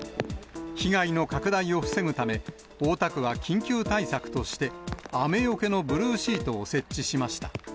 被害の拡大を防ぐため、大田区は緊急対策として、雨よけのブルーシートを設置しました。